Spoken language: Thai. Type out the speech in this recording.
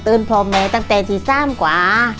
ตื่นพร้อมแม่ตั้งแต่ทีซ้ำกว่า